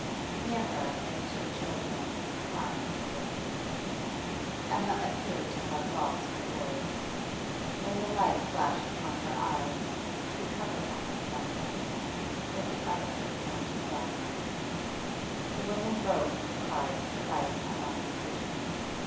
Near her were the two children, crying miserably. Emma appeared to have lost her voice; when the light flashed upon her eyes she covered them with one hand, with the other pointed downwards. The women broke into cries of fright and lamentation.